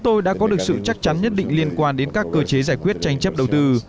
tôi đã có được sự chắc chắn nhất định liên quan đến các cơ chế giải quyết tranh chấp đầu tư